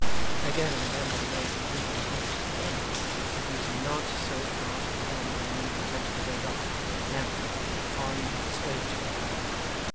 'Again I ramble away from thinking it out to the end. It is not so far to the end that I need be tempted to break off. Now, on straight!